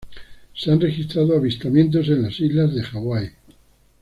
Se han registrado avistamientos en las islas de Hawái.